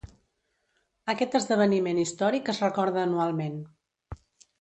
Aquest esdeveniment històric es recorda anualment.